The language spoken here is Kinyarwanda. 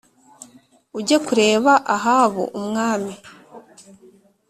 ujye kureba Ahabu umwami